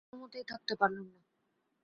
কোনোমতেই থাকতে পারলুম না।